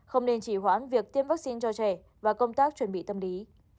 không nên chỉ hoãn việc tiêm vaccine cho trẻ và công tác chuẩn bị tâm lý